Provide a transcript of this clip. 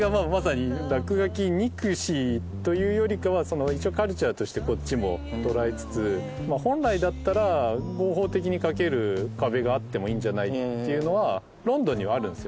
落書き憎しというよりかは一応カルチャーとしてこっちも捉えつつ本来だったら合法的に描ける壁があってもいいんじゃないというのはロンドンにはあるんですよ。